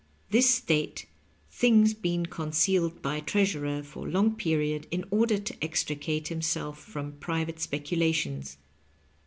This state things been concealed by treasurer for long period in order to extricate himself from private speculations.